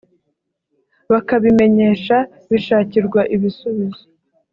bakabimenyesha bishakirwa ibisubizo